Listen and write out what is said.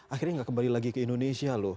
akhirnya nggak kembali lagi ke indonesia loh